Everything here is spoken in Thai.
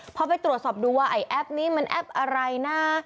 พอไปตรวจสอบดูว่าไอ้แอปนี้มันแอปอะไรนะ